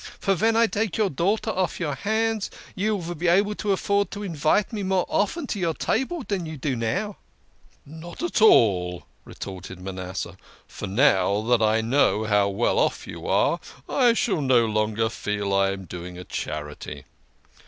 " For ven I take your daughter off your hands you vill be able to afford to invite me more often to your table dan you do now." "Not at all," re torted Manasseh, "for now that I know how well off you are I shall no longer feel I am doing a charity."